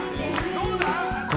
どうだ？